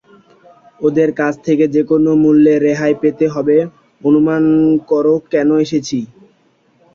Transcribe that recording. ওদের কাছ থেকে যেকোনো মূল্যে রেহাই পেতে হবে অনুমান করো কেন এসেছি।